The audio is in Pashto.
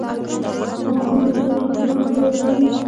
افغانستان کې طلا د خلکو د خوښې وړ ځای دی.